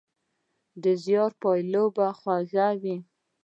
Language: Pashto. د زیار پایله تل خوږه وي.